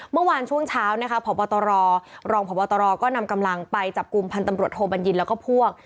เมื่อวานช่วงเช้านะคะพบตรรองพบตรก็นำกำลังไปจับกลุ่มพันธ์ตำรวจโทบัญญินแล้วก็พวก